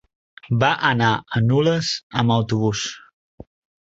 Va anar a Nules amb autobús.